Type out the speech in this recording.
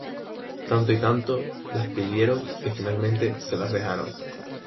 Tanto y tanto las pidieron que finalmente se las dejaron.